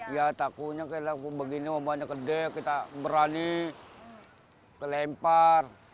ya takunya kalau begini obanya ke dek kita berani kelempar